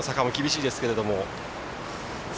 ２区の坂も厳しいですけれど。